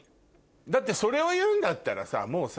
だってそれを言うんだったらさもうさ。